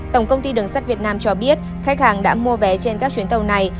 tổng công ty đường sắt việt nam cho biết khách hàng đã mua vé trên các chuyến tàu này